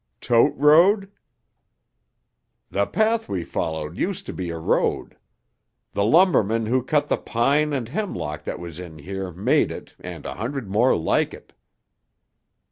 "Tote road?" "The path we followed used to be a road. The lumbermen who cut the pine and hemlock that was in here made it and a hundred more like it."